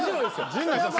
陣内さん